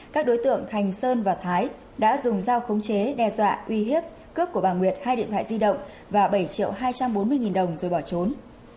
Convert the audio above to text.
các đối tượng thành sơn và thái đã dùng dao khống chế đe dọa uy hiếp cướp của bà nguyệt hai điện thoại di động và bảy triệu hai trăm bốn mươi nghìn đồng rồi bỏ trốn